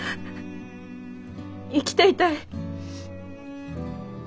生きていたい。